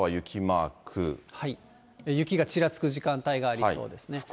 雪がちらつく時間帯がありそうですね。